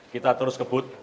kita terus kebut